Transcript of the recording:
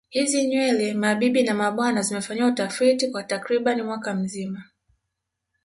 Hizi nywele mabibi na mabwana zimefanyiwa utafiti kwa takriban mwaka mzima